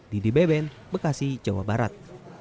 didi beben bekasi jawa barat